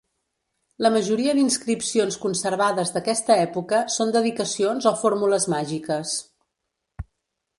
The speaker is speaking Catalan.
La majoria d'inscripcions conservades d'aquesta època són dedicacions o fórmules màgiques.